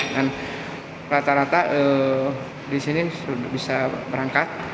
dan rata rata di sini bisa berangkat